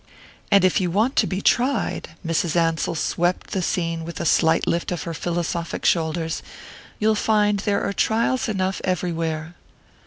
"And if you want to be tried " Mrs. Ansell swept the scene with a slight lift of her philosophic shoulders "you'll find there are trials enough everywhere."